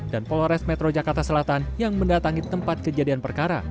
dan polores metro jakarta selatan yang mendatangi tempat kejadian perkara